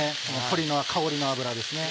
鶏の香りの油ですね。